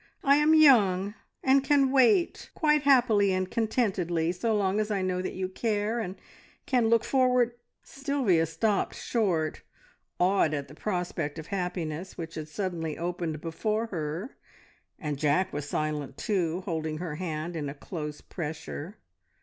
I am young, and can wait quite happily and contentedly, so long as I know that you care, and can look forward " Sylvia stopped short, awed at the prospect of happiness which had suddenly opened before her, and Jack was silent too, holding her hand in a close pressure.